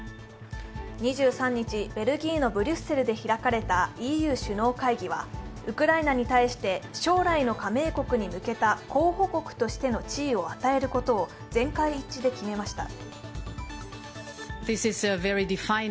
２３日、ベルギーのブリュッセルで開かれたＥＵ首脳会議はウクライナに対して将来の加盟国に向けた候補国としての地位を与えることを全会一致で決めました。